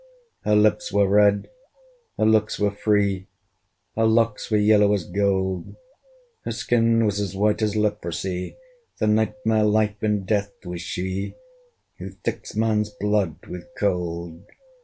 Her lips were red, her looks were free, Her locks were yellow as gold: Her skin was as white as leprosy, The Night Mare LIFE IN DEATH was she, Who thicks man's blood with cold.